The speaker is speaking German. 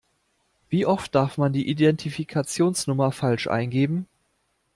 Wie oft darf man die Identifikationsnummer falsch eingeben?